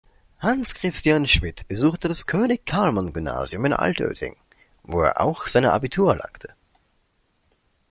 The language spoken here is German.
Hans-Christian Schmid besuchte das König-Karlmann-Gymnasium in Altötting, wo er auch sein Abitur erlangte.